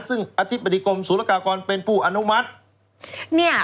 ซึ่งอธิบดีกรมศูนยากากรเป็นผู้อนุมัติ